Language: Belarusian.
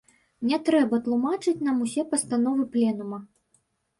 Не трэба тлумачыць нам усе пастановы пленума.